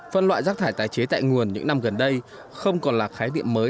phân loại rác thải tái chế tại nguồn những năm gần đây không còn là khái niệm mới